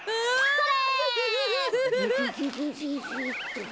それ！